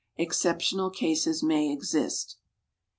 Exceptional cases may exist.